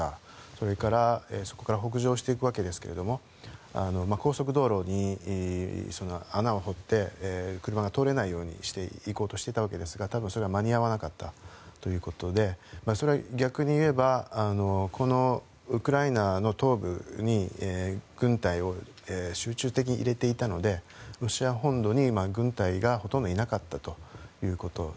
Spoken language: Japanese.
それからそこから北上していくわけですが高速道路に穴を掘って車が通れないようにしていこうとしていたわけですが多分それは間に合わなかったということでそれは逆に言えばウクライナの東部に軍隊を集中的に入れていたのでロシア本土に軍隊がほとんどいなかったということ。